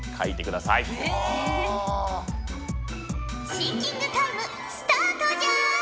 シンキングタイムスタートじゃ！